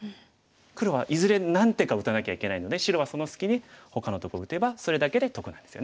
黒はいずれ何手か打たなきゃいけないので白はその隙にほかのとこ打てばそれだけで得なんですよね。